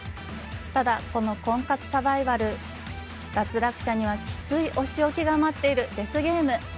ただこの婚活サバイバル脱落者にはキツいお仕置きが待っているデスゲーム。